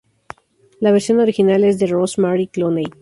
La versión original es de Rosemary Clooney.